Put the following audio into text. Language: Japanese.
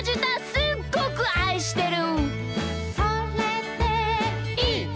「すっごくあいしてる！」